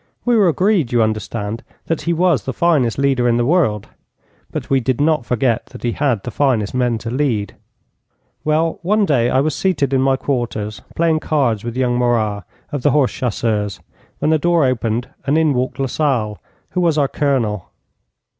We were agreed, you understand, that he was the finest leader in the world, but we did not forget that he had the finest men to lead. Well, one day I was seated in my quarters playing cards with young Morat, of the horse chasseurs, when the door opened and in walked Lasalle, who was our Colonel.